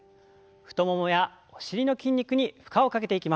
太ももやお尻の筋肉に負荷をかけていきます。